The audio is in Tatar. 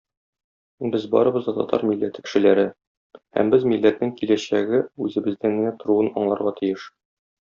Без барыбыз да татар милләте кешеләре һәм без милләтнең киләчәге үзебездән генә торуын аңларга тиеш.